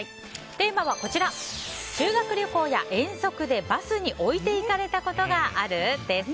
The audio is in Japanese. テーマは修学旅行や遠足でバスに置いていかれたことがある？です。